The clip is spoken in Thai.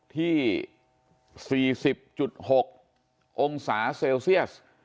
ที่๔๐๖องศาเซลเซียส